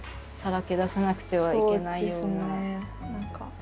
さらけ出さなくてはいけないような。